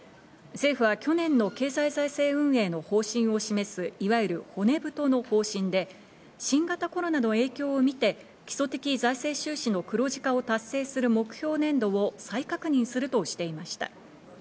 政府は去年の経済財政運営の方針を示す、いわゆる骨太の方針で、新型コロナの影響を見て、基礎的財政収支の黒字化を達成する目標年度を再確認するとしていました。